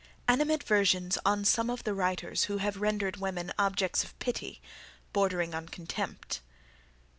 ANIMADVERSIONS ON SOME OF THE WRITERS WHO HAVE RENDERED WOMEN OBJECTS OF PITY, BORDERING ON CONTEMPT.